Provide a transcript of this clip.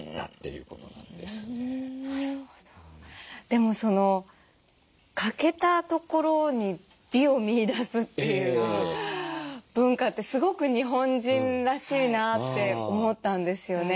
でもその欠けたところに美を見いだすという文化ってすごく日本人らしいなって思ったんですよね。